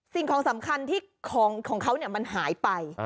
สิ่งของสำคัญที่ของเขามันหายไป